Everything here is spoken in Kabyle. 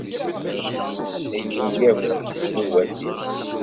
Semmeḥ-iyi akk ddnubat-iw.